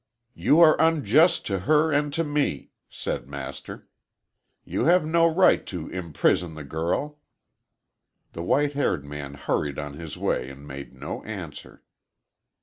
"You are unjust to her and to me," said Master. "You have no right to imprison the girl." The white haired man hurried on his way and made no answer.